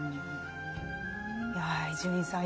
いや伊集院さん